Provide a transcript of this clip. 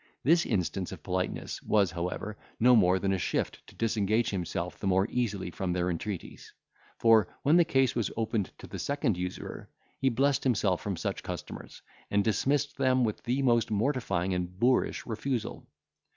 This instance of politeness was, however, no more than a shift to disengage himself the more easily from their entreaties; for, when the case was opened to the second usurer, he blessed himself from such customers, and dismissed them with the most mortifying and boorish refusal.